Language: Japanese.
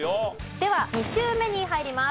では２周目に入ります。